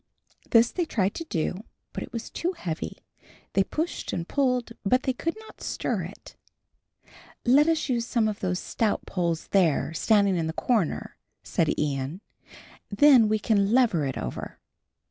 This they tried to do, but it was too heavy. They pushed and pulled, but they could not stir it. "Let us use some of those stout poles there, standing in the corner," said Ian; "then we can lever it over."